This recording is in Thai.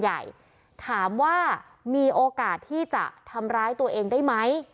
ถามว่ามีโอกาสที่จะทำร้ายตัวเองได้ไหม